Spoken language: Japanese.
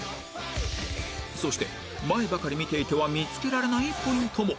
そして前ばかり見ていては見つけられないポイントも